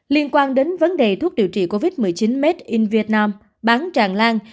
liên quan đến vấn đề thuốc điều trị covid một mươi chín made in vietnam bán tràn lan